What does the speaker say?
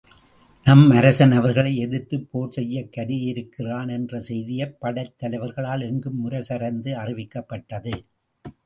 நம் அரசன் அவர்களை எதிர்த்துப் போர் செய்யக் கருதியிருக்கின்றான் என்ற செய்தி படைத் தலைவர்களால் எங்கும் முரசறைந்து அறிவிக்கப்பட்டது.